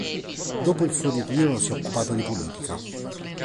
Dopo il suo ritiro si è occupato di politica.